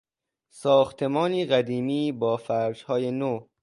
ساختمانی قدیمی با فرشهای نو